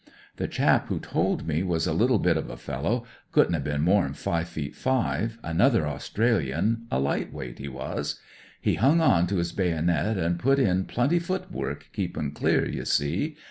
The chap who told me was a little bit of a fellow; couldn't ha' been more'n five feet five, another Australian, a light weight, he was. He hmig on to his baynit, an' put in plenty foot work, keepin' clear, you see.